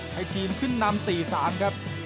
ให้ทีมขึ้นนำสี่สามครับ